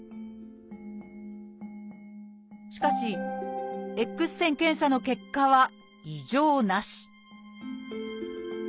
しかしＸ線検査の結果は「異常なし」